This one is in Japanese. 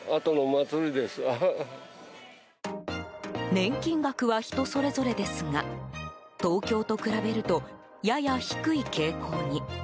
年金額は人それぞれですが東京と比べるとやや低い傾向に。